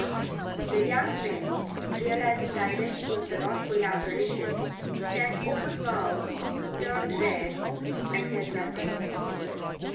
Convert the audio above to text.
The young men, realizing the identity of the wrathful apparition, stared open mouthed, turned red, and said nothing.